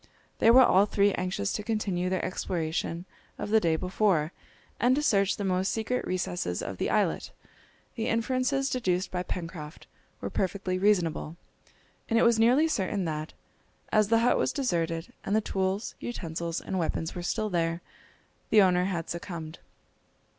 They were all three anxious to continue their exploration of the day before, and to search the most secret recesses of the islet! The inferences deduced by Pencroft were perfectly reasonable, and it was nearly certain that, as the hut was deserted, and the tools, utensils, and weapons were still there, the owner had succumbed.